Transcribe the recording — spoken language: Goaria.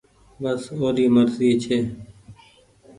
بس اوري مرزي ڇي۔